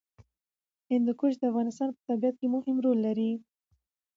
هندوکش د افغانستان په طبیعت کې مهم رول لري.